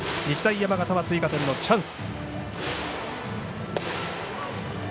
山形は追加点のチャンス。